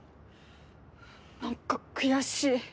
何か悔しい。